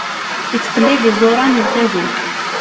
Ittqellib iẓuṛan n tagut.